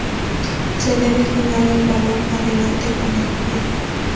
Se debe jugar el balón adelante con el pie.